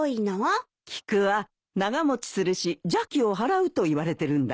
菊は長持ちするし邪気を払うといわれてるんだよ。